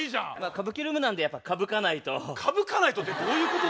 歌舞伎ルームなんでやっぱかぶかないと。